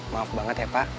maaf banget ya pak